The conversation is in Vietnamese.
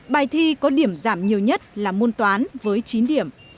bài thi có điểm giảm nhiều nhất là môn toán với chín điểm